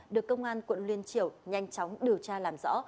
được công an quận liên triều nhanh chóng điều tra làm rõ